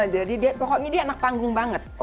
jadi pokoknya dia anak panggung banget